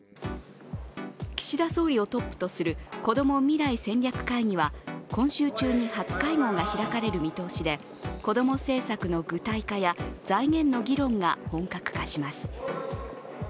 岸田総理をトップとするこども未来戦略会議は今週中に初会合が開かれる見通しでこども政策の具体化や財源の議論が本格化します。